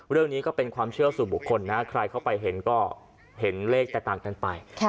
เรื่องนี้ก็เป็นความเชื่อสู่บุคคลนะใครเข้าไปเห็นก็เห็นเลขแตกต่างกันไป